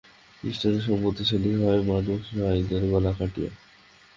খ্রীষ্টানরা সম্পত্তিশালী হয় মানুষ-ভাইদের গলা কাটিয়া।